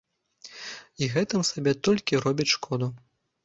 І гэтым сабе толькі робяць шкоду.